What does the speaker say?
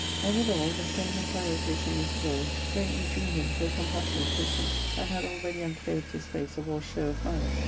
And withal the fame of Pyrodes and Musi dorus greatly drew him to a compassionate conceit, and had already unclothed his face of all show of malice.